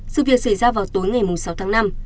sự việc xảy ra vào tối ngày sáu tháng năm